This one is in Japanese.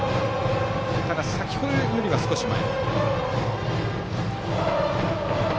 ただ、先程よりは少し前。